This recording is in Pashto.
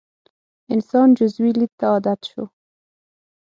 انسان جزوي لید ته عادت شو.